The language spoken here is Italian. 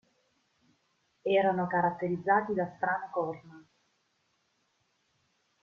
Erano caratterizzati da strane corna.